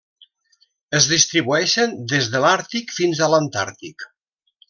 Es distribueixen des de l'Àrtic fins a l'Antàrtic.